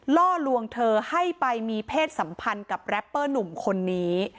ล่อลวงเธอให้ไปมีเพศสัมพันธ์กับแรปเปอร์หนุ่มคนนี้